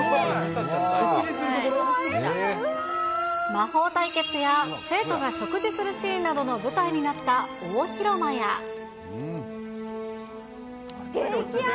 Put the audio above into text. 魔法対決や、生徒が食事するシーンなどの舞台になった大広間激熱。